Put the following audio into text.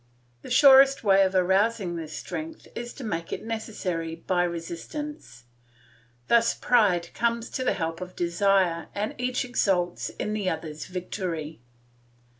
The surest way of arousing this strength is to make it necessary by resistance. Thus pride comes to the help of desire and each exults in the other's victory.